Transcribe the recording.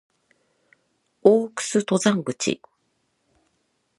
大楠登山口